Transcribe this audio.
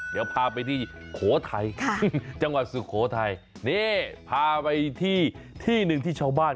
เดี๋ยวพาไปที่โขทัยจังหวัดสุโขทัยนี่พาไปที่ที่หนึ่งที่ชาวบ้าน